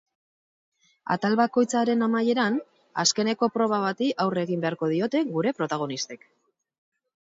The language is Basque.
Atal bakoitzaren amaieran, azkeneko proba bati aurre egin beharko diote gure protagonistek.